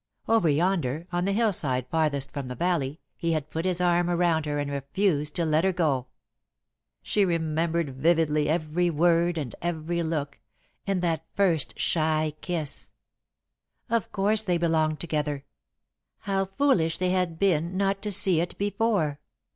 Over yonder, on the hillside farthest from the valley, he had put his arm around her and refused to let her go. She remembered vividly every word and every look and that first shy kiss. Of course they belonged together! How foolish they had been not to see it before!